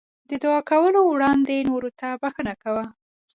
د دعا کولو وړاندې نورو ته بښنه کوه.